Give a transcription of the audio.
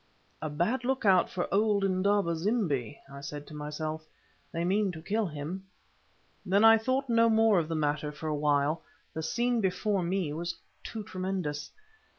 "A bad look out for old Indaba zimbi," I said to myself. "They mean to kill him." Then I thought no more of the matter for a while, the scene before me was too tremendous.